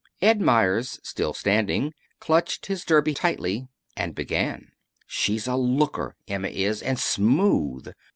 Ed Meyers, still standing, clutched his derby tightly and began. "She's a looker, Emma is. And smooth!